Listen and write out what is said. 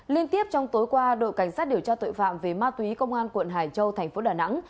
liên tiếp trong tối qua đội cảnh sát điều tra tội phạm về ma túy công an quận hải châu thành phố đà nẵng